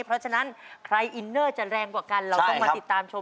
เพราะฉะนั้นใครอินเนอร์จะแรงกว่ากันเราต้องมาติดตามชม